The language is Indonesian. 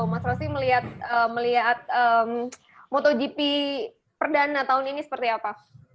mas rosi melihat motogp perdana tahun ini seperti apa